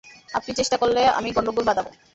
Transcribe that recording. আপনি চেষ্টা করলে আমি গণ্ডগোল বাধাব।